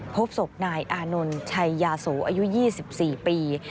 พบศพนายอานนท์ชัยยาโสอายุ๒๔ปี